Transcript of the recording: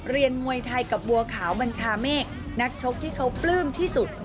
มวยไทยกับบัวขาวบัญชาเมฆนักชกที่เขาปลื้มที่สุด